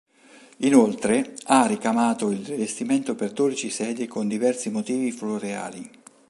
Inoltre ha ricamato il rivestimento per dodici sedie con diversi motivi floreali.